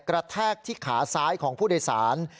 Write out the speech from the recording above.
แทกที่ขาซ้ายของผู้โดยสาร